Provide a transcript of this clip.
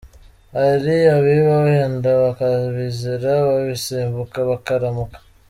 Hari abiba wenda bakabizira, babisimbuka bakaramuka.